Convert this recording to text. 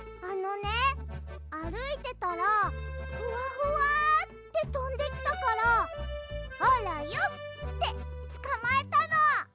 あのねあるいてたらフワフワってとんできたから「あらよっ！」ってつかまえたの！